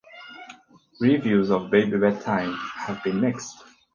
Reviews of "Baby Bedtime" have been mixed.